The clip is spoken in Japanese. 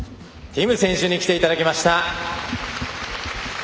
ティム選手に来ていただきました。